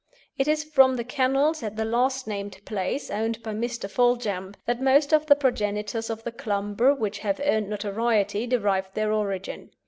It is from the kennels at the last named place, owned by Mr. Foljambe, that most of the progenitors of the Clumbers which have earned notoriety derived their origin.